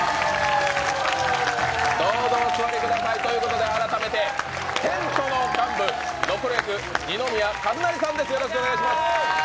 どうぞお座りくださいということで改めてテントの幹部ノコル役、二宮和也さんです、よろしくお願いします！